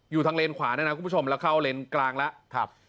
อยู่ทางเลนส์ขวานะครับคุณผู้ชมแล้วเข้าเลนส์กลางแล้ว